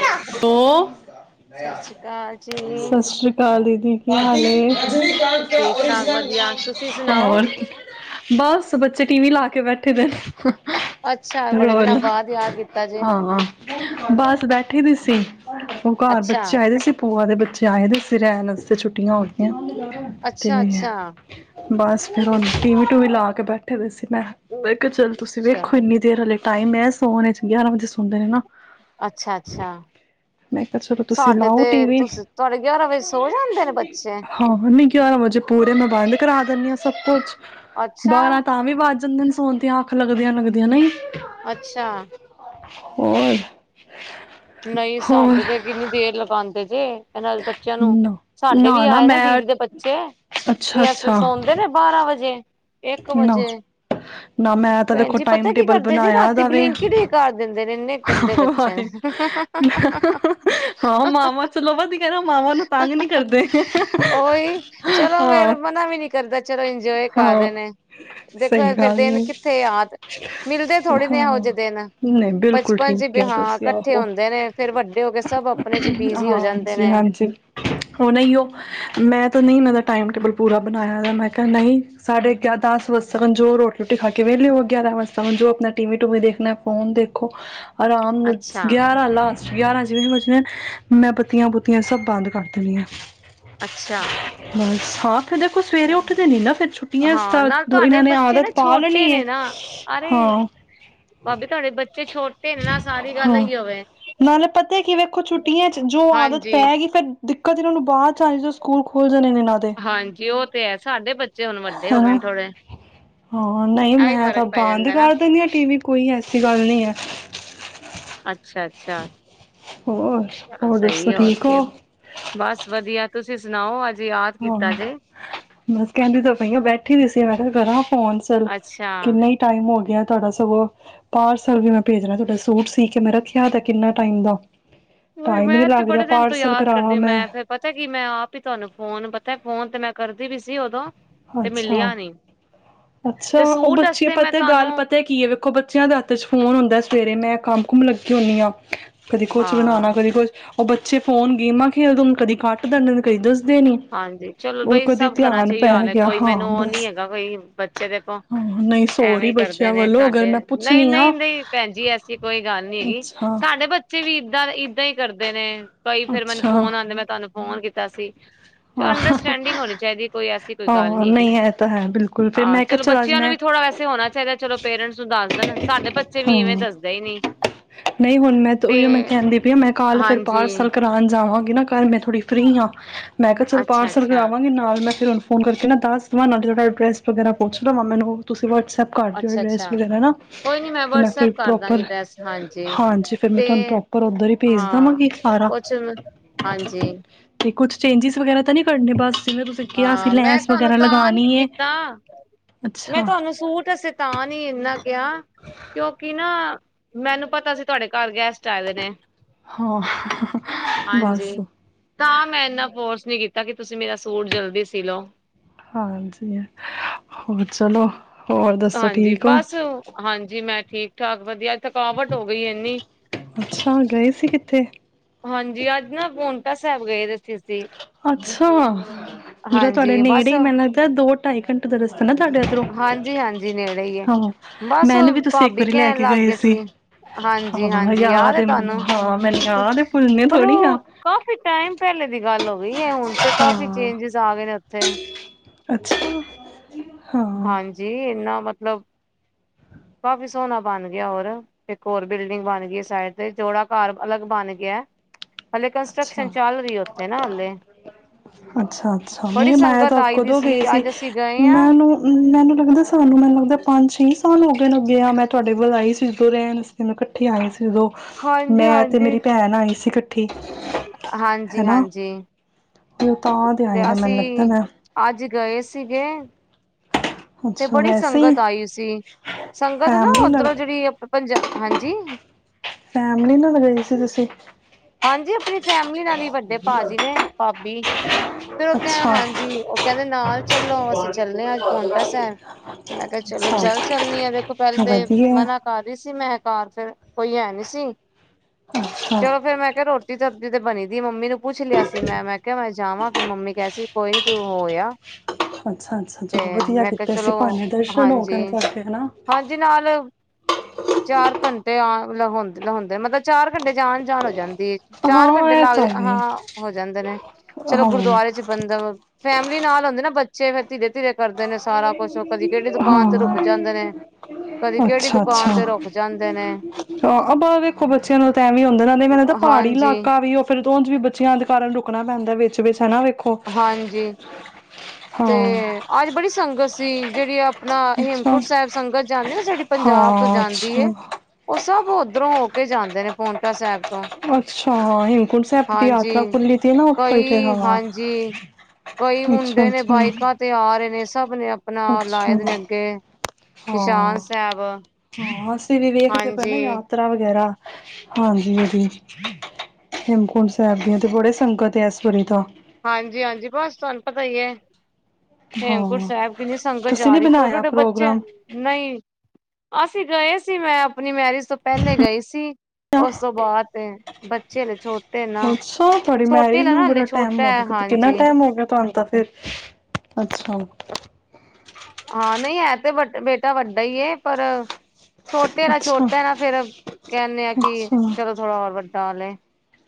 Hello ਤੋ, ਸਤਿ ਸ੍ਰੀ ਅਕਾਲ ਜੀ ਸਸਰੀ ਕਾਲ ਦੀਦੀ ਕੀ ਹਾਲ ਏ, ਠੀਕ ਠਾਕ ਵਧੀਆ ਤੁਸੀਂ ਸੁਣਾਓ ਹੋਰ ਬਸ ਬੱਚੇ ਟੀ ਵੀ ਲਾ ਕੇ ਬੈਠੇ ਦੇ ਨੇ। ਅੱਛਾ ਬੜੇ ਦਿਨਾਂ ਰੋਲ ਬਾਦ ਯਾਦ ਕੀਤਾ ਜੇ ਹਾਂ ਬਸ ਬੈਠੀ ਦੀ ਸੀ, ਉਹ ਘਰ ਅੱਛਾ ਬੱਚੇ ਆਏ ਦੇ ਸੀ। ਭੂਆ ਦੇ ਬੱਚੇ ਆਏ ਦੇ ਸੀ ਰੈਨ ਵਾਸਤੇ ਛੁੱਟੀਆਂ ਹੋਗੀਆਂ, ਤੇ ਅੱਛਾ ਅੱਛਾ ਬਸ ਫੇਰ ਹੁਨ ਟੀਵੀ ਟੂਵੀ ਲਾ ਕੇ ਬੈਠੇ ਦੇ ਸੀ, ਮੈਂ ਕਿਆ ਚੱਲ ਤੁਸੀਂ ਅੱਛਾ ਵੇਖੋ ਏਨੀ ਦੇਰ ਹਲੇ ਟਾਈਮ ਐ ਸੋਨੇ ਇਚ, ਗਿਆਰਾਂ ਵਜੇ ਸੋਂਦੇ ਨੇ ਨਾ। ਅੱਛਾ। ਅੱਛਾ, ਮੈਂ ਕਿਹਾ ਚਲੋ ਤੁਸੀਂ ਸਾਡੇ ਲਾਓ ਤੇ ਟੀਵੀ ਤੁਸੀ ਤੁਆਡੇ ਗਿਆਰਾਂ ਵਜੇ ਸੋ ਜਾਂਦੇ ਨੇ ਬੱਚੇ। ਹਾਂ ਫੇਰ ਨਈ ਗਿਆਰਾਂ ਵਜੇ ਪੂਰੇ ਮੈਂ ਬੰਦ ਕਰਾ ਦਿੰਨੀ ਆਂ ਸਬ ਕੁਛ। ਅੱਛਾ ਬਾਰਾਂ ਤਾਂ ਵੀ ਵੱਜ ਜਾਂਦੇ ਨੇ ਸੋਨ ਦੀਆਂ ਅੱਖ ਲੱਗਦੇਆਂ-ਲੱਗਦੇਆਂ ਨਈਂ ‌। ਅੱਛਾ। ਹੂੰ। ਨਈਂ ਸਾਡੇ ਤੇ ਕਿੰਨੀ ਦੇਰ ਲਗਾਂਦੇ ਜੇ। ਐ ਨਾਲ ਬੱਚੇਆਂ ਨੂੰ, ਸਾਡੇ ਵੀ ਆਏ ਨਾ ਦੀਦੀ ਦੇ ਬੱਚੇ, ਅੱਛਾ ਵੀ ਐਸੇ ਅੱਛਾ ਸੌਂਦੇ ਨੇ ਬਾਰਾਂ ਵਜੇ, ਇੱਕ ਨਾ ਵਜੇ। ਨਾ ਮੈਂ ਤਾਂ ਭੈਨ ਵੇਖੋ ਜੀ ਟਾਈਮ ਪਤਾ ਕੀ ਟੇਬਲ ਕਰਦੇ ਜੇ ਬਣਾਇਆ ਰਾਤੀ ਦਾਵੇ ਬਲਿਕਿੰਟ ਵੀ ਕਰ ਦਿੰਦੇ ਨੇ ਇੰਨੇ ਗੰਦੇ ਬੱਚੇ ਨੇ। [inaudible] ਹਾਂ ਮਾਵਾਂ ਚਲੋ ਵਦੀਆ ਐ ਨਾ ਮਾਵਾਂ ਨੂੰ ਤੰਗ ਨੀ ਕਰਦੇ। ਉਹੀ ਚਲੋ ਹਾਂ ਫੇਰ ਮਨਾ ਵੀ ਨੀ ਕਰਦਾ ਚਲੋ ਇੰਜੋਏ ਕਰ ਹਾਂ ਰਏ ਨੇ। ਦੇਖੋ ਸਹੀ ਏ ਫੇਰ ਗੱਲ ਦਿਨ ਹੈ ਕਿੱਥੇ ਯਾਦ, ਮਿਲਦੇ ਥੋੜੇ ਨੇ ਏਹੋ ਹਾਂ ਜੇ ਦਿਨ‌‌। ਨਹੀਂ ਬਿਲਕੁਲ ਬਚਪਨ ਚ ਠੀਕ ਵੀ ਹੈ ਹਾਂ ਕੱ ਤੁਸੀਂ ਕੱਠੇ ਆਹੋ ਹੁੰਦੇ ਨੇ ਫੇਰ ਵੱਡੇ ਹੋ ਕੇ ਸਬ ਆਪਨੇ ਚ ਬਿਜ਼ੀ ਹੋ ਜਾਂਦੇ ਨੇ। ਹੁਨ ਏਈਓ ਮੈਂ ਤੋ ਨਈ ਮੇਰਾ ਟਾਈਮ ਟੇਬਲ ਪੂਰਾ ਬਨਾਏਆ ਹੋਏਆ ਮੈਂ ਕਿਆ ਨਈ ਸਾਢੇ ਕਿਆ ਦਸ ਵਜੇ ਤਕਨ ਜੋ ਰੋਟੀ ਰੂਟੀ ਖਾ ਕੇ ਵੇਲੇ ਹੋ ਗੇ ਗਿਆਰਾਂ ਵਜੇ ਤਕਨ ਜੋ ਆਪਨਾ ਟੀਵੀ ਟੂਵੀ ਦੇਖਨਾ ਫੋਨ ਦੇਖੋ। ਆਰਾਮ ਨੂੰ, ਅੱਛਾ ਗਿਆਰਾਂ ਲਾਸਟ ਗਿਆਾਰਾਂ ਜਿਵੇਂ ਵੱਜਨੇ, ਮੈਂ ਬੱਤੀਆਂ ਬੁੱਤੀਆਂ ਸਬ ਬੰਦ ਕਰ ਦਿੰਨੀ ਆਂ। ਅੱਛਾ। ਬਸ ਹਾਂ ਫਿਰ ਦੇਖੋ ਸਵੇਰੇ ਉੱਠਦੇ ਨੀ ਨਾ ਫ਼ਿਰ ਛੁੱਟੀਆਂ ਹਾਂ ਤਾਂ ਨਾਲ ਦੋ ਤੁਹਾਡੇ ਇਨਾਂ ਨੇ ਬੱਚੇ ਨਾ ਆਦਤ ਪਾ ਲੈਨੀ ਛੋਟੇ ਏ, ਨੇ ਨਾ ਅਰੇ ਹਾਂ। ਭਾਬੀ ਤੁਆਡੇ ਬੱਚੇ ਛੋਟੇ ਨੇ ਨਾ ਸਾਰੀ ਗੱਲ ਏਈਓ ਵੇ। ਕੁਛ ਛੁੱਟੀਆਂ ਚ ਜੋ ਆਦਤ ਪੈਗੀ ਫੇਰ ਦਿੱਕਤ ਏਨਾਂ ਨੂੰ ਬਾਦ ਚ ਆਨੀ ਜਦੋਂ ਸਕੂਲ ਖੁਲ ਜਾਨੇ ਨੇ‌ ਨਾਲ। ਹਾਂਜੀ ਓ ਤੇ ਹੈ ਸਾਡੇ ਬੱਚੇ ਹੁਨ ਵੱਡੇ ਹੋ ਗਏ ਹਨਾ ਨੇ ਥੋੜੇ। ਹਾਂ ਨਈਂ ਇਹ ਵੀ ਮੈਂ ਤਾਂ ਫ਼ਰਕ ਪੈ ਬੰਦ ਜਾਂਦਾ ਨਾ ਕਰ ਦਿੰਨੀ ਆਂ ਟੀਵੀ ਕੋਈ ਐਸੀ ਗੱਲ ਨਈਂ ਐ। ਅੱਛਾ ਅੱਛਾ। ਹੋਰ ਚਲੋ ਹੋਰ ਦੱਸ ਸਹੀ ਹੋਰ ਠੀਕ ਹੋ? ਕੀ ਬਸ ਵਧੀਆ ਤੁਸੀਂ ਸੁਣਾਓ ਅੱਜ ਯਾਦ ਹਾਂ ਕੀਤਾ ਜੇ? ਬਸ ਕਹਿੰਦੀ ਤ ਪਈਆਂ ਬੈਠੀ ਹੋਈ ਸੀ ਮੈਂ ਕਿਹਾ ਕਰਾਂ ਫੋਨ ਸਰ ਅੱਛਾ ਕਿੰਨੇ ਈ ਟਾਈਮ ਹੋ ਗਿਆ ਤਾਡਾ ਸਗੋਂ ਪਾਰਸਲ ਵੀ ਮੈਂ ਭੇਜਣਾ ਤਾਡਾ ਸੂਟ ਸੀ ਕੇ ਮੈਂ ਰੱਖਿਆ ਕਿੰਨਾ ਟਾਈਮ ਬਾਅਦ ਉਹੀ ਟਾਈਮ ਨੀ ਮੈਂ ਤੇ ਲੱਗ ਰਿਹਾ ਬੜੇ ਦਿਨ ਤੋਂ ਪਾਰਸਲ ਯਾਦ ਕਰਾਵਾਂ ਕਰਦੀ ਮੈਂ। ਫੇਰ ਪਤਾ ਕੀ ਮੈਂ ਆਪ ਹੀ ਤੁਹਾਨੂੰ ਫੋਨ ਪਤਾ ਫੋਨ ਤੇ ਮੈਂ ਕਰਦੀ ਵੀ ਸੀ ਉਦੋਂ ਤੇ ਅੱਛਾ ਮਿਲਿਆ ਨੀ। ਅੱਛਾ ਤੇ ਉਹ ਸੂਟ ਬੱਚੇ ਵਾਸਤੇ ਮੈਂ ਪਤਾ ਤੁਹਾਨੂੰ ਗੱਲ ਪਤਾ ਕੀ ਏ ਵੇਖੋ ਬੱਚਿਆਂ ਦੇ ਹੱਥ ਚ ਫੋਨ ਹੁੰਦਾ ਸਵੇਰੇ ਮੈਂ ਕੰਮ ਕੁਮ ਲੱਗੀ ਹੁੰਨੀ ਆ। ਕਦੀ ਕੁਛ ਬਣਾਣਾ ਹਾਂ ਕਦੀ ਕੁਛ ਉਹ ਬੱਚੇ ਫੋਨ ਗੇਮਾਂ ਖੇਡਦੇ ਕਦੀ ਕੱਟ ਦਿੰਦੇ ਕਦੀ ਦੱਸਦੇ ਨੀ। ਹਾਂਜੀ ਚਲੋ ਉਹ ਬਈ ਕਦੇ ਸਭ ਕਰਨਾ ਧਿਆਨ ਪੈ ਚਾਹੀਦਾ ਗਿਆ ਕੋਈ ਹਾਂ ਮੈਨੂੰ ਉਹ ਨੀ ਬਸ ਹੈਗਾ ਕੋਈ ਬੱਚੇ ਦੇ ਹਾਂ ਨਹੀਂ ਸੋਰੀ ਐਵੇਂਈ ਕਰਦੇ ਬੱਚਿਆਂ ਨੇ ਵੱਲੋਂ ਅਗਰ ਸਾਡੇ ਮੈਂ ਨਈ ਪੁੱਛਣੀ ਨਈ ਆ ਨਈ ਭੈਣ ਜੀ ਐਸ ਕੋਈ ਗੱਲ ਨੀ ਹੈਗੀ ਅੱਛਾ ਸਾਡੇ ਬੱਚੇ ਬੱਚੇ ਵੀ ਏਦਾਂ ਇਏਦਾਂ ਹੀ ਕਰਦੇ ਨੇ ਕਈ ਫੇਰ ਮੈਨੂੰ ਅੱਛਾ ਫੋਨ ਆਂਦੇ ਮੈਂ ਤੁਹਾਨੂੰ ਫੋਨ ਕੀਤਾ ਸੀ। ਹਾਂ ਅੰਡਰਸਟੈਂਡਿੰਗ ਹੋਣੀ ਚਾਈਦੀ ਹੈ ਕੋਈ ਐਸੀ ਕੋਈ ਗੱਲ ਹਾਂ ਨਹੀਂ ਹੈਗੀ, ਇਹ ਤਾਂ ਹੈ ਬਿਲਕੁਲ ਫਿਰ ਹਾਂ। ਮੈਂ ਕਿਹਾ ਚਲੋ ਚਲ ਅੱਜ ਬੱਚਿਆਂ ਨੂੰ ਮੈਂ ਵੀ ਥੋੜਾ ਵੈਸੇ ਹੋਣਾ ਚਾਈਦਾ ਚਲੋ ਪੇਰੈਂਟਸ ਨੂੰ ਦੱਸ ਦੇਣ ਸਾਡੇ ਬੱਚੇ ਵੀ ਇਵੇਂ ਹਾਂ ਦੱਸਦੇ ਈ ਨੀ। ਨਹੀਂ ਹੁਣ ਮੈਂ ਤੇ ਉਹੀ ਮੈਂ ਕਹਿੰਦੀ ਪਈ ਮੈਂ ਕੱਲ ਫਿਰ ਹਾਂਜੀ ਪਾਰਸਲ ਕਰਾਣ ਜਾਵਾਂਗੀ ਨਾ ਘਰ ਮੈਂ ਥੋੜ੍ਹੀ ਫਰੀ ਆ। ਮੈਂ ਕੇਆ ਚੱਲ ਪਾਰਸਲ ਅੱਛਾ-ਅੱਛਾ, ਕਾਰਾਵਾਗੀ ਨਾਲ ਮੈ ਫੇਰ ਹੁਨ ਫੋਨ ਕਾਰਕੇ ਨਾ ਦਾਸ ਦਵਾਂ, ਨਾਲੇ ਜੜਾ ਐਡਰੈਸ ਵਗੈਰਾ ਪੁਛ ਲਵਾ, ਮੈਨੂੰ ਹੁਣ ਤੁਸੀਂ ਵਟਸਐਪ ਕਾਰ ਦੇਓ ਅਡਰੈਸ ਅੱਛਾ-ਅੱਛਾ ਵਗੈਰਾ ਨਾ, ਕੋਈ ਨੀ ਤੇ ਮੈਂ ਫੇਰ ਵਟਸਐਪ ਕਰ ਪ੍ਰੋਪਰ, ਦਾਂਗੀ ਡਰੈਸ ਹਾਂਜੀ ਫੇਰ ਮੈਂ ਤੇ ਤੁਆਨੂੰ ਪ੍ਰੋ ਪਰ ਓਦਰ ਈ ਪੇਜ ਹਾਂ ਦਵਾਂਗੀ ਸਾਰਾ ਕੁਛ ਹਾਂਜੀ। ਤੇ ਕੁੱਛ ਚੇਜਿਸ ਵਗੈਰਾ ਤਾਂ ਨੀ ਕਰਨੇ ਬਾਸ, ਜਿਵੇ ਤੁਸੀ ਹਾਂ ਮੈਂ ਤੁਆਨੂੰ ਤਾਂ ਨੀ ਕੀਤਾ, ਮੈਂ ਅੱਛਾ ਤੁਆਨੂੰ ਸੂਟ ਅੱਸੇ ਤਾਂ ਨੀ ਇਨਾ ਕੇਆ, ਕਿਉਂਕਿ ਨਾ ਮੈਨੂੰ ਪਤਾ ਸੀ ਤੁਆਡੇ ਘਰ ਗੈਸ ਟ ਆਏ ਹੋਏ ਨੇ, ਹਾਂ ਬਸ ਹਾਂਜੀ। ਤਾ ਮੈਂ ਇੰਨਾ ਫੋਰਸ ਨੀ ਕੀਤਾ ਕਿ ਤੁਸੀਂ ਮੇਰਾ ਸੂਟ ਜਲਦੀ ਸੀ ਲੋ ਹਾਂਜੀ, ਹੋਰ ਚਲੋ ਹੋਰ ਦੱਸੋ ਹਾਂਜੀ ਠੀਕ ਓ? ਬਸ ਹਾਂਜੀ, ਮੈਂ ਠੀਕ ਠਾਕ ਵਦਿਆ ਥਕਾਵਟ ਹੋ ਗਈ ਇੰਨੀ ਅੱਛਾ ਗਏ ਸੀ ਕਿੱਥੇ ਹਾਂਜੀ, ਆਜ ਨਾ ਪੋਨਟਾ ਸੈਬ ਗਏ ਦੇ ਸੀ ਅਸੀਂ ਅੱਛਾ, ਜੇੜਾ ਤੁਆਡੇ ਹਾਂਜੀ ਬਸ ਨੇੜੇ ਈ ਮੈਨ ਲੱਗਦੈ ਦੋ ਟਾਈ ਘੰਟੇ ਦਾ ਰਸਤਾ ਐ ਨਾ ਤੁਆਡੇ ਐਦਰੋਂ, ਹਾਂਜੀ ਹਾਂਜੀ ਨੇੜੇ ਹੀ ਹੈ ਹਾ ਮੈਨ ਵੀ ਤੁਸੀਂ ਇੱਕ ਵਾਰੀ ਲੈ ਕੇ ਗਏ ਸੀ ਜੀ, ਹਾਂ ਹਾਂਜੀ-ਹਾਂਜੀ ਯਾਦ ਏ ਹੈ ਮੈਨੂੰ ਤੁਆਨੂੰ, ਹਾਂ ਮੈਨੂੰ ਯਾਦ ਹੈ ਭੁੱਲਣੇ ਪਰ ਥੋੜ੍ਹੀ ਆ ਓ ਕਾਫੀ ਟਾਈਮ ਪੈਲੇ ਦੀ ਗਾਲ ਓ ਗਈ ਏ, ਹੁਨ ਤੇ ਕਾਫੀ ਹਾਂ ਚੇਂਜਿਸ ਆ ਗਏ ਨੇ ਓਥੇ ਅੱਛਾ, ਹਾਂ ਹਾਂਜੀ, ਇਨਾ ਮਤਲਬ ਕਾਫੀ ਸੋਨਾ ਬਨ ਗੇਆ ਔਰ ਇਕ ਔਰ ਬਿਲਡਿੰਗ ਬਨ ਗੀ ਏ ਸਾਈਡ ਤੇ, ਜੋੜਾ ਘਾਰ ਅਲੱਗ ਬਨ ਗੇਐ ਹੱਲੇ ਕੰਸਟਰਕਸ਼ਨ ਚਲ ਰੀ ਏ ਓਥੇ ਨਾ ਹੱਲੇ ਅੱਛਾ-ਅੱਛਾ ਨੀ ਮੈਂ ਸੰਗਤ ਤਾ ਆਈ ਦੀ ਕਦੋਂ ਗਈ ਸੀ, ਅੱਜ ਅਸੀਂ ਗਏ ਹਾਂ। ਮੈਂ ਨੂੰ ਮੈਨੂੰ ਲੱਗਦਾ ਸਾਨੂੰ ਮੈਨ ਲੱਗਦਾ ਪੰਜ ਛੇ ਸਾਲ ਓ ਗਏਆ ਮੈਂ ਤੁਆਡੇ ਵੱਲ ਆਈ ਸੀ ਜਦੋ ਰੈਣ ਤੇ ਮੈਂ ਕੱਠੇ ਆਏ ਸੀ ਉਦੋਂ, ਹਾਂਜੀ ਮੈਂ ਤੇ ਮੇਰੀ ਹਾਂਜੀ। ਭੈਣ ਆਈ ਸੀ ਕੱਠੀ ਹਾਂਜੀ-ਹਾਂਜੀ। ਹੁਨ ਤਾਂ ਦੇ ਤੇ ਅਸੀਂ, ਅੱਜ ਗਏ ਸੀਗੇ ਤੇ ਅੱਛਾ ਬੜੀ ਵੈਸੇ ਹੀ ਸੰਗਤ ਆਈ ਓ ਸੀ, ਸੰਗਤ ਨਾ ਫੈਮਲੀ ਨਾਲ ਓਦਰੋਂ ਜੜੀ ਪੰਜਾ, ਹਾਂਜੀ ਫੈਮਲੀ ਨਾਲ ਗਏ ਸੀ ਤੁਸੀ ਹਾਂਜੀ ਅਪਨੀ ਫੈਮਲੀ ਨਾਲ ਈ ਵੱਡੇ ਭਾਜੀ ਨੇ, ਭਾਬੀ ਫੇਰ ਓ ਕੈ, ਅੱਛਾ ਹਾਂਜੀ ਓ ਕੈਨਦੇ ਨਾਲ ਚੱਲੋ ਅਸੀਂ ਚੱਲਨੇ ਆ ਅੱਜ ਪੌਂਟਾ ਸਾਹਿਬ ਮੈਂ ਕੇਆ ਚਲੋ ਅੱਛਾ ਚੱਲ ਚੱਲਨੀ ਆ ਦੇਖੋ ਪੈਲੇ ਤੇ, ਵਧੀਆ ਮਨਾ ਕਰ ਰਹੀ ਸੀ, ਮੈਂ ਘਰ ਫੇਰ ਕੋਈ ਐਂ ਨੀ ਸੀ ਅੱਛਾ। ਚਲੋ ਫੇਰ ਮੈਂ ਕੇਆ ਰੋਟੀ ਸਬਜ਼ੀ ਤੇ ਬਨੀ ਦੀ ਏ, ਮੰਮੀ ਨੂੰ ਪੁੱਛ ਲੇਆ ਸੀ ਮੈਂ, ਮੈਂ ਕੇਆ ਮੈਂ ਜਾਵਾਂ ਫੇਰ ਮੰਮੀ ਕੈਰੀ ਸੀ ਕੋਈ ਨੀ ਤੂੰ ਹੋਯਾ ਅੱਛਾ-ਅੱਛਾ ਚਲੋ ਵਧੀਆ ਕੀਤੈ ਇਸੀ ਚਲੋ ਬਹਾਨੇ ਦਰਸ਼ਨ ਹੋਗੇ ਹਾਂਜੀ ਨੇ ਤੁਆਡੇ, ਹਨਾ ਹਾਂਜੀ ਨਾਲ, ਚਾਰ ਘੰਟੇ ਆ ਮਤਲਬ ਹੋਂਦੇ ਨੇ ਮਤਲਬ, ਮਤਲਬ ਚਾਰ ਘੰਟੇ ਚ ਆਨ-ਜਾਨ ਹੋ ਜਾ ਜਾਂਦੀ ਏ, ਚਾਰ ਹਾਂ ਘੰਟੇ ਇਹ ਲੱਗ, ਤਾਂ ਹੈ ਹਾਂ ਹੋ ਜਾਂਦੇ ਨੇ ਚਲੋ ਹਾਂ ਗੁਰਦੁਆਰੇ ਚ ਬੰਦਾ, ਫੈਮਲੀ ਨਾਲ ਔਦੀ ਏ ਨਾ ਬੱਚੇ ਫੇਰ ਧੀਰੇ ਧੀਰੇ ਕਰਦੇ ਨੇ ਸਾਰਾ ਕੋਛ, ਓ ਕਦੀ ਕੇੜੀ ਦੁਕਾਨ ਤੇ ਹਾਂ ਰੁੱਕ ਜਾਂਦੇ ਨੇ ਕਦੀ ਕੇੜੀ ਦੁਕਾਨ ਤੇ ਰੁਕ ਜਾਂਦੇ ਨੇ ਅ, ਆ ਬਾ ਵੇਖੋ ਬੱਚੇਆ ਨਾਲ ਤਾ ਐਵੇ ਈ ਹੂੰਦੈ ਨਾਲੇ ਮੈਨੂੰ ਲਗਦੈ ਪਾੜੀ ਹਾਂਜੀ, ਇਲਾਕਾ ਵੀ ਏ ਓ ਫੇਰ ਤੇ ਓਜ ਵੀ ਬੱਚੇਆਂ ਦੇ ਕਾਰਨ ਰੁਕਨਾਂ ਪੈਂਦੈ ਵਿਚ ਵਿੱਚ ਹਨਾ ਵੇਖੋ ਹਾਂਜੀ, ਹਾਂ ਤੇ ਅੱਜ ਬੜੀ ਸੰਗਤ ਸੀ ਜੇੜੀ ਏ ਅਪ ਅਪਨਾ, ਹੇਮਕੁੰਟ ਅੱਛਾ ਸੈਬ ਸੰਗਤ ਜਾਂਦੀ ਏ ਨਾ ਜੇੜੀ ਪੰਜਾਬ ਤੋਂ ਹਾਂ ਜਾਂਦੀ ਏ ਅੱਛਾ ਉਹ ਸਭ ਉਧਰੋਂ ਹੋ ਕੇ ਜਾਂਦੇ ਨੇ ਪੋਂਉਟਾ ਸਾਹਿਬ ਤੋਂ ਅੱਛਾ, ਹੇਮਕੁੰਟ ਸਾਹਿਬ ਦੀ ਹਾਂਜੀ ਯਾਤਰਾ ਖੁੱਲੀ ਤੀ ਨਾ ਉਥੋਂ ਹੀ ਫਿਰ ਹਾਂ ਤੇ ਕਈ ਅੱਛਾ ਮੁੰਡੇ ਨੇ ਅੱਛਾ ਬਾਈਕਾਂ ਤੇ ਆ ਰਹੇ ਨੇ ਸਭ ਨੇ ਆਪਣਾ ਅੱਛਾ ਲਾਏ ਦੇ ਨੇ ਅੱਗੇ ਹਾਂ ਨਿਸ਼ਾਨ ਸਾਹਿਬ -ਹਾਂ ਅਸੀਂ ਵੀ ਵੇਖਦੇ ਪਏ ਨਾ ਹਾਂਜੀ, ਯਾ ਤਰਾ ਵਗੈਰਾ ਹਾਂਜੀ। ਹੇਮਕੁੰਟ ਸਾਹਿਬ ਦੀਆਂ ਤੇ ਬੜੇ ਸੰਗਤ ਹੈ ਇਸ ਵਾਰੀ ਤਾਂ, ਹਾਂਜੀ -ਹਾਂਜੀ ਬਸ ਤੁਹਾਨੂੰ ਪਤਾ ਈ ਏ ਹੇਮਕੁੰਟ ਹਾਂ ਸਾਹਿਬ ਕਿੰਨੀਂ ਸੰਗਤ ਤੁਸੀਂ ਜਾ ਨੀ ਰਹੀ ਛੋਟੇ ਬਣਾਇਆ -ਛੋਟੇ ਬੱਚੇ ਪ੍ਰੋਗਰਾਮ ਨਈਂ ਅਸੀਂ ਗਏ ਸੀ ਮੈਂ ਆਪਣੀ ਮੈਰਿਜ ਤੋਂ ਪਹਿਲੇ ਗਈ ਸੀ ਉਸ ਤੋਂ ਬਾਅਦ ਤੇ ਬੱਚੇ ਹਲੇ ਛੋਟੇ ਨਾ, ਛੋਟੇ ਨਾ ਨਾ ਹਲੇ ਟੈਮ ਛੋਟਾ ਹੋ ਹੈ ਗਿਆ, ਕਿੰਨਾ ਹਾਂਜੀ। ਟੈਮ ਹੋ ਗਿਆ ਤੁਹਾਨੂੰ ਤਾਂ ਫਿਰ, ਅੱਛਾ ਹਾਂ ਨਹੀਂ ਹੈ ਤੇ ਬ ਬੇਟਾ ਵੱਡਾ ਹੀ ਏ ਪਰ ਛੋਟੇ ਦਾ ਅੱਛਾ ਛੋਟਾ ਨਾ ਫੇਰ ਕਹਿੰਦੇ ਆ ਕਿ ਚਲੋ ਥੋੜਾ ਹੋਰ ਵੱਡਾ ਹੋ ਲਏ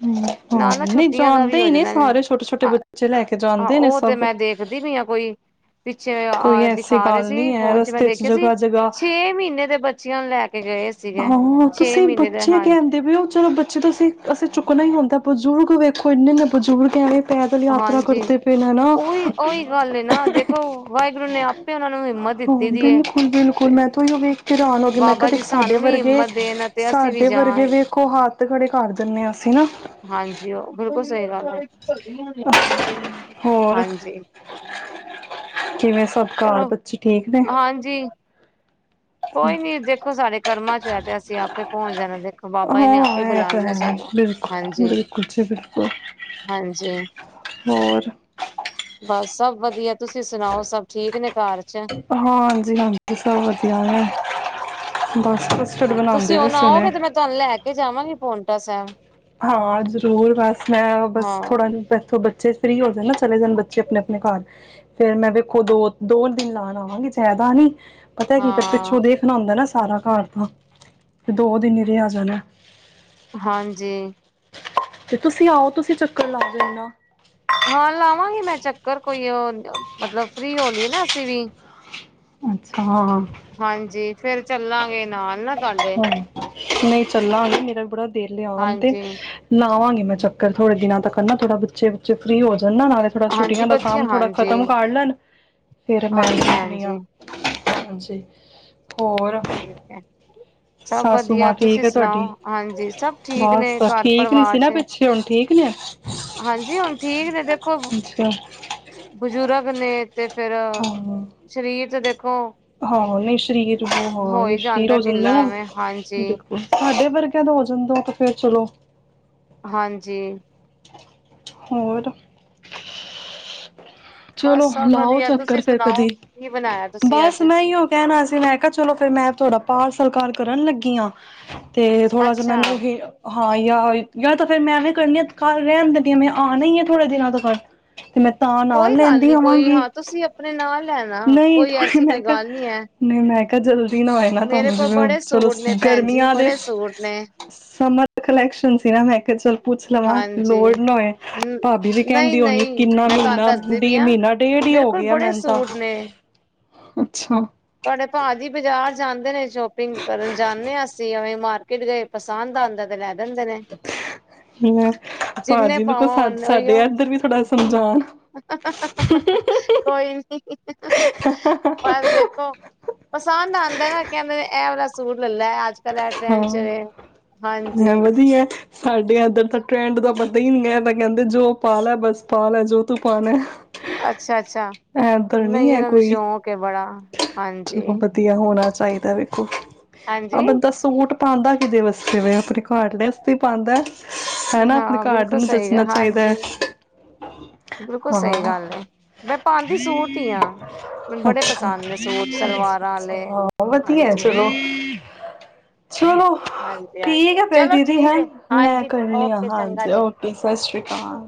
ਹੂੰ ਹਾਂ ਨਹੀਂ ਜਾਂਦੇ ਹੋ ਹੀ ਨੇ ਜਾਂਦਾ ਸਾਰੇ, ਛੋਟੇ -ਛੋਟੇ ਬੱਚੇ ਲੈ ਕੇ ਹਾਂ ਜਾਂਦੇ ਨੇ ਉਹ ਤੇ ਸਭ ਮੈਂ ਦੇਖਦੀ ਪਈ ਆ ਕੋਈ ਪਿੱਛੇ ਕੋਈ ਆ ਐਸੀ ਦਿਖਾ ਰਹੇ ਗੱਲ ਸੀ, ਨਹੀਂ ਹੈ ਫੋਨ ਚ ਮੈਂ ਰਸਤੇ ਦੇਖਿਆ ਸੀ, ਜਗ੍ਹਾ ਜਗ੍ਹਾ ਛੇ ਮਹੀਨੇ ਦੇ ਬੱਚਿਆਂ ਨੂੰ ਲੈ ਕੇ ਗਏ ਸੀਗੇ ਹਾਂ ਛੇ ਤੁਸੀਂ ਮਹੀਨੇ ਦੇ ਬੱਚੇ ਹਾਂ ਕਹਿੰਦੇ ਪਏ ਹੋ ਚਲੋ ਬੱਚੇ ਤੁਸੀਂ ਅਸੀਂ ਚੁੱਕਣਾ ਹੀ ਹੁੰਦਾ ਪਰ ਜੋ, ਬਜ਼ੁਰਗ ਵੇਖੋ ਇੰਨੇ -ਇੰਨੇ ਬਜ਼ੁਰਗ ਐਵੇਂ ਪੈਦਲ ਯਾਤਰਾ ਹਾਂਜੀ ਕਰਦੇ ਪਏ ਨੇ ਨਾ ਹਾਂ ਉਹੀ ਉਹੀ ਗੱਲ ਏ ਨਾ ਦੇਖੋ ਵਾਹਿਗੁਰੂ ਨੇ ਆਪੇ ਉਹਨਾਂ ਨੂੰ ਹਿੰਮਤ ਦਿੱਤੀ ਦੀ ਏ। ਬਿਲਕੁਲ -ਬਿਲਕੁਲ ਮੈਂ ਤੋਂ ਓਹੀਓ ਵੇਖ ਹੈਰਾਨ ਹੋ ਗਈ, ਮੈਂ ਬਾਬਾ ਕਿਹਾ ਦੇ ਜੀ ਸਾਡੇ ਸਾਨੂੰ ਵੀ ਵਰਗੇ- ਹਿੰਮਤ ਦੇਣ ਅਤੇ ਅਸੀਂ ਵੀ ਸਾਡੇ ਜਾ ਵਰਗੇ ਆਏ। ਵੇਖੋ ਹੱਥ ਖੜੇ ਕਰ ਦਿੰਦੇ ਹਾਂ। ਸੀ ਨਾ ਹਾਂਜੀ, ਉਹ ਬਿਲਕੁਲ ਸਹੀ ਗੱਲ ਏ ਹੋਰ ਹਾਂਜੀ। ਕਿਵੇਂ ਸਭ ਘਾਰ ਚਲੋ ਬੱਚੇ ਠੀਕ ਨੇ? ਹਾਂਜੀ ਕੋਈ ਨੀ ਦੇਖੋ ਸਾਡੇ ਕਰਮਾਂ ਚ ਹੈ ਤੇ ਅਸੀਂ ਆਪੇ ਪਹੁੰਚ ਜਾਣਾ, ਦੇਖੋ ਬਾਬਾ ਜੀ ਨੇ ਹਾਂ ਆਪੇ ਇਹ ਬੁਲਾ ਤਾਂ ਲੈਣਾ ਸਾਨੂੰ। ਹੈ ਬਿਲਕੁਲ ਹਾਂਜੀ -ਬਿਲਕੁਲ ਜੀ ਬਿਲਕੁਲ! ਹਾਂਜੀ। ਹੋਰ ਬਸ ਸਭ ਵਧੀਆ, ਤੁਸੀਂ ਸੁਣਾਓ ਸਭ ਠੀਕ ਨੇ ਘਾਰ ਚ? ਹਾਂਜੀ -ਹਾਂਜੀ ਸਭ ਵਧੀਆ ਨੇ, ਬਸ ਤੁਸੀਂ ਹਾਂਜੀ ਤੁਸੀਂ ਹੁਣ ਆਓਗੇ ਤੇ ਮੈਂ ਤੁਹਾਨੂੰ ਲੈ ਕੇ ਜਾਵਾਂਗੀ ਪੋਉਂਟਾ ਸਾਹਿਬ। ਹਾਂ ਜ਼ਰੂਰ, ਬਸ ਮੈਂ ਬਸ ਹਾਂ ਥੋੜ੍ਹਾ ਬੈਸੋ ਬੱਚੇ ਫ੍ਰਰੀ ਹੋ ਜਾਂਣ ਨਾ ਚਲੇ ਜਾਣ ਬੱਚੇ ਆਪਣੇ -ਆਪਣੇ ਘਰ। ਫੇਰ ਮੈਂ ਵੇਖੋ ਦੋ- ਦੋ ਦਿਨ ਲਾਣ ਆਵਾਂਗੀ ਜਿਆਦਾ ਨੀ। ਪਤਾ ਕੀ ਫਿਰ ਹਾਂ। ਪਿੱਛੋਂ ਦੇਖਣਾ ਹੁੰਂਦਾ ਨਾ ਸਾਰਾ ਘਾਰ ਦਾ, ਤਾਂ ਦੋ ਦਿਨ ਹੀ ਰਿਆ ਜਾਣਾ। ਹਾਂਜੀ। ਤੇ ਤੁਸੀਂ ਆਓ ਤੁਸੀਂ ਚੱਕਰ ਲਾ ਜਾਓ ਨਾ ਹਾਂ ਲਾਵਾਂਗੀ ਮੈਂ ਚੱਕਰ ਕੋਈ ਮਤਲਬ ਫਰੀ ਹੋ ਲਈਏ ਨਾ ਅਸੀਂ ਵੀ ਅੱਛਾ ਹਾਂ। ਹਾਂਜੀ, ਫੇਰ ਚੱਲਾਂਗੇ ਨਾਲ ਨਾ ਤੁਹਾਡੇ ਹਾਂ ਨਹੀਂ ਚਲਾਗੇ, ਮੇਰਾ ਵੀ ਬੜਾ ਦਿਲ ਏ ਆਉਣ ਤੇ ਹਾਂਜੀ ਲਾਾਂਵਾਗੀ ਮੈਂ ਚੱਕਰ ਥੋੜੇ ਦਿਨਾਂ ਤਕ ਨਾ ਥੋੜ੍ਹਾ ਬੱਚੇ ਫਰੀ ਹੋ ਜਾਣ, ਨਾਲ ਥੋੜਾ ਛੁੱਟੀਆਂ ਹਾਂਜੀ ਦਾ ਬੱਚੇ ਕੰਮ ਥੋੜਾ ਹਾਂਜੀ ਖਤਮ ਕਰ ਲੈਣ ਫਿਰ ਮੈਂ ਹਾਂਜੀ ਦੇਖਨੀ ਹਾਂ, ਹਾਂਜੀ ਹਜੀ ਹੋਰ ਅ ਸਭ ਸਾਸੂ ਵਧੀਆ, ਮਾਂ ਠੀਕ ਤੁਸੀਂ ਹੈ ਤੁਹਾਡੀ ਸੁਣਾਓ, ਹਾਂਜੀ ਸਭ ਠੀਕ ਨੇ ਘਰ ਪਰਿਵਾਰ ਚ। ਅਛਾ ਹੁਣ ਠੀਕ ਨੇ? ਹਾਂਜੀ, ਹੁਣ ਠੀਕ ਨੇ ਦੇਖੋ ਅੱਛਾ ਬਜ਼ੁਰਗ ਨੇ ਤੇ ਫੇਰ ਹਾਂ ਸਰੀਰ ਤੇ ਦੇਖੋ ਹਾਂ ਨਹੀਂ ਸਰੀਰ ਹਾਂ ਹੋ ਹੀ ਸਰੀਰ ਹੋ ਜਾਂਦਾ ਢਿੱਲਾ ਨਾ ਐਵੇਂ ਹਾਂਜੀ ਬਿਲਕੁਲ ਸਾਡੇ ਵਰਗਿਆਂ ਦਾ ਹੋ ਜਾਂਦਾ ਤੇ ਫੇਰ ਚਲੋ ਹਾਂਜੀ। ਹੋਰ ਬਸ ਚਲੋ ਸਭ ਲਾਓ ਵਧੀਆ ਚੱਕਰ ਤੁਸੀਂ ਫੇਰ ਸੁਣਾਓ ਕਦੀ ਕੀ ਬਣਾਇਆ ਤੁਸੀਂ ਬਸ ਅੱਜ ਮੈਂ ਹੀ ਹੋ ਕਹਿਣਾ ਸੀ ਮੈਂ ਕਿਹਾ ਚਲੋ ਫਿਰ ਮੈਂ ਤੁਹਾਡਾ ਪਾਰ ਸਲਕਾਰ ਕਰਨ ਲੱਗੀ ਆ। ਅਤੇ ਥੋੜਾ ਜਹਾ ਅੱਛਾ ਮੈਿੰਨੂੰਓ ਹਾਂ ਯਾਰ- ਯਾਰ ਤਾਂ ਫਿਰ ਮੈਂ ਵੀ ਕਰਨੀ ਆ ਘਰ ਰਹਿਣ ਦਦੀਾਂ ਆ, ਮੈਂ ਆਉਣਾ ਹੀ ਆ ਥੋੜ੍ਹੇ ਦਿਨਾਂ ਤੋਂ ਫਰ ਤੇ ਮੈਂ ਤਾਂ ਨਾਲ ਕੋਈ ਗੱਲ ਲੈਂਦੀ ਨੀ ਕੋਈ ਆਵਾਂਗੀ ਹਾਂ ਤੁਸੀਂ ਆਪਨੇ ਨਾਲ ਲੈਨਾ ਨਹੀਂ ਕੋਈ ਥੋੜੀ ਐਸੀ ਮੈਂ ਕੋਈ ਕਿਹਾ ਗੱਲ ਨੀ ਏ। ਨਹੀਂ ਮੈਂ ਕਿਹਾ ਜਲਦੀ ਨਾ ਆਏ ਨਾ ਤੁਹਾਨੂੰ ਜਿਵੇਂ ਬੜੇ ਚਲੋ ਸੂਟ ਨੇ ਭੈਣ ਜੀ ਗਰਮੀਆਂ ਦੇ ਬੜੇ ਸੂਟ ਨੇ ਸਮਰ ਕਲੈਕਸ਼ਨ ਸੀ ਨਾ ਮੈਂ ਕਿਐ ਚਲ ਪੁੱਛ ਲਵਾਂ ਹਾਂਜੀ ਲੋੜ ਨਾ ਹੋਏ ਭਾਬੀ ਵੀ ਨਹੀਂ ਕਹਿੰਦੀ ਹੋਣੀ ਨਹੀਂ ਕਿੰਨਾ ਮੈਂ ਤੁਹਾਨੂੰ ਮਹੀਨਾ ਦੱਸਦੀ ਪਈ ਵੀ ਹਾਂ ਮਹੀਨਾ ਡੇਢ ਹੀ ਮੇਰੇ ਹੋ ਕੋਲ ਗਿਆ ਬੜੇ ਮੈਨ ਤਾਂ ਸੂਟ ਨੇ ਅੱਛਾ ਤੁਹਾਡੇ ਭਾ ਜੀ ਬਾਜ਼ਾਰ ਜਾਂਦੇ ਨੇ ਸ਼ੋਪਿੰਗ ਕਰਨ ਜਾਂਦੇ ਹਾਂ ਅਸੀਂਵੇਂ ਮਾਰ ਕਿਦਰੇ ਪਸੰਦ ਆਂਦਾ ਐ ਤੇ ਲੈ ਦੇਂਦੇ ਨੇ। ਲੈ ਜਿੰਨੇ ਭਾਜੀ ਨੂੰ ਕੋ ਪਾਵਾਂ ਸਾ ਓਨੇ ਸਾਡੇ ਉਹੀਓ ਐਦਰ ਵੀ ਥੋੜਾ ਸਮਝਓਣ ਕੋਈ ਨੀ ਬਸ ਦੇਖੋ, ਪਸੰਦ ਆਂਦਾ ਐਨਾ ਕੇਂਦੇ ਨੇ ਐ ਵਾਲਾ ਸੂਟ ਲੇ ਲੈ ਅੱਜ ਕੱਲ ਐ ਹਾਂ ਟ੍ਰੈਂਡ ਚ ਏ, ਹਾਂਜੀ। ਮੈਂ ਵਧੀਆ ਸਾਡੇ ਐਧਰ ਤਾ ਟਰੈਂਡ ਦਾ ਪਤਾ ਈ ਨੀ। ਐ ਤੇ ਕੈਂਦੇ ਜੋ ਪਾ ਲੈ ਬਸ ਪਾ ਲੈ ਜੋ ਤੂੰ ਪਾਨੈ। ਅੱਛਾ ਅੱਛਾ, ਨਈ ਹੈ ਏਨਾਂਨੂੰ ਕੋਈ ਸ਼ੌਕ ਏ ਬੜਾ। ਹਾਂਜੀ ਚਲੋ ਵਧੀਆ, ਹੋਣਾ ਚਾਈਦਾ ਵੇਖੋ। ਹਾਂ ਹਾਂਜੀ ਬੰਦਾ ਸੂਟ ਪਾਂਦਾ ਕਿਦੇ ਵਾਸਤੇ ਦੇ। ਅਪਨੇ ਘਾਰਆਲੈ ਅਸਤੇ ਪਾਂਦਾ ਐ। ਹੈਨਾ, ਅਪਨੇ ਹਾਂ ਘਾਰਡ ਬਿਲਕੁਲ ਨੂੰ ਸਹੀ ਗ ਦੱਸਨਾ ਚਾਈਦਾ ਐ। ਹਾਂਜੀ ਬਿਲਕੁਲ ਸਈ ਗੱਲ ਏ। ਮੈਂ ਪਾਂਦੀ ਸੂਟ ਈਆਂ। ਮੈਨੂੰ ਬੜੇ ਅਛਾ ਪਸੰਦ ਏ। ਅਛਾ, ਹਾਂ ਵਦੀਆ ਐ ਹਾਂਜੀ ਚਲੋ, ਚਲੋ ਹਾਂਜੀ ਠੀਕ ਹਾਂਜੀ ਐ ਫੇਰ ਚਲੋ ਦੀਦੀ ਠੀਕ ਹੈਂ ਹੈ ਮੈਂ ਹਾਂਜੀ ਕਰਨੀ ਆਂ। ਓਕੇ ਚੰਗਾ ਹਾਂਜੀ, ਜੀ ਓਕੇ ਸਤਿ ਸ੍ਰੀ ਅਕਾਲ।